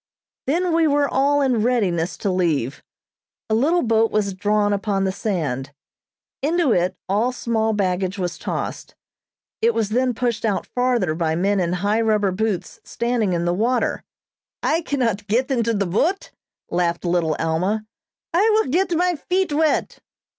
Then we were all in readiness to leave. A little boat was drawn upon the sand. Into it all small baggage was tossed. It was then pushed out farther by men in high rubber boots standing in the water. "I cannot get into the boat," laughed Little Alma, "I will get my feet wet."